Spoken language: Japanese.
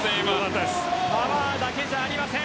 パワーだけじゃありません。